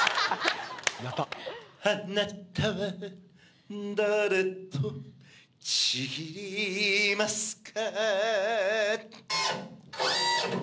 「あなたは誰と契りますか」